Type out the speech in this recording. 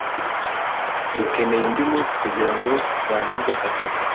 Dukeneye undi munsi kugirango turangize aka kazi.